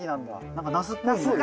何かナスっぽいね。